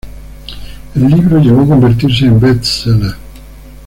El libro llegó a convertirse en best seller.